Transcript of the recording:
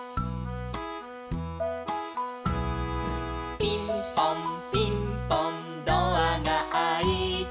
「ピンポンピンポンドアがあいて」